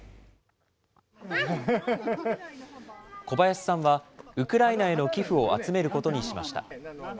小林さんは、ウクライナへの寄付を集めることにしました。